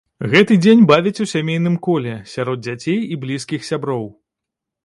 Гэты дзень бавяць у сямейным коле, сярод дзяцей і блізкіх сяброў.